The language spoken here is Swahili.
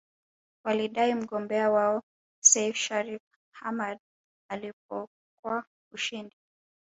Walidai mgombea wao Seif Shariff Hamad alipokwa ushindi